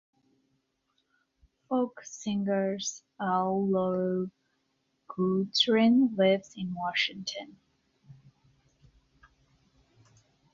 Folk singer Arlo Guthrie lives in Washington.